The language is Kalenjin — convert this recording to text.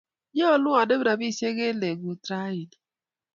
Nyolu anem rabisiek eng legut raa iini